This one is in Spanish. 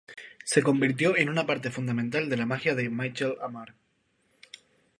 Se convirtió en una parte fundamental de la magia de Michael Ammar.